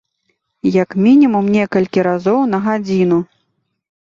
Як мінімум некалькі разоў на гадзіну.